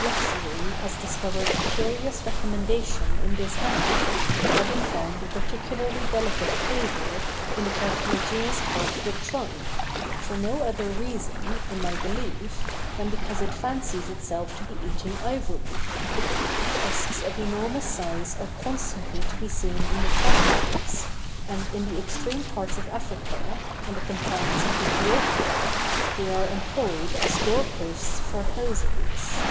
Luxury has discovered a curious recommendation in this animal, having found a particularly delicate flavor in the cartilaginous part of the trunk, for no other reason, in my belief, than because it fancies itself to be eating ivory. Tusks of enormous size are constantly to be seen in the temples; and in the extreme parts of Africa, on the confines of Æthiopia, they are employed as door posts for houses.